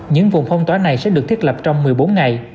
những vùng phong tỏa này sẽ được thiết lập trong một mươi bốn ngày